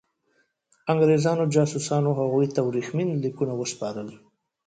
انګرېزانو جاسوسانو هغوی ته ورېښمین لیکونه وسپارل.